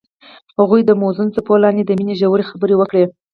هغوی د موزون څپو لاندې د مینې ژورې خبرې وکړې.